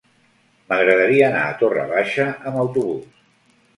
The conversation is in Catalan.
M'agradaria anar a Torre Baixa amb autobús.